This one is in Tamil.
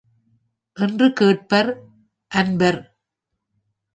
என்று கேட்பர், அன்பர்.